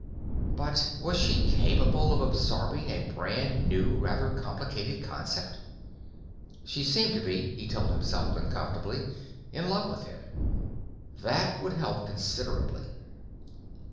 But was she capable of absorbing a brand new, rather complicated concept? She seemed to be, he told himself uncomfortably, in love with him. That would help considerably....